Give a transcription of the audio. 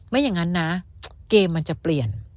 ไม่อย่างนั้นนะเกมมันจะเปลี่ยน